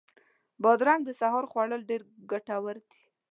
بادرنګ د سهار خوړل ډېر ګټور دي.